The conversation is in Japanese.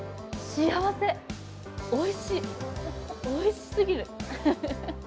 幸せ、おいしい、おいしすぎる。